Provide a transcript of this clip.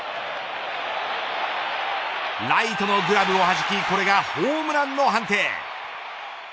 ライトのグラブをはじきこれがホームランの判定。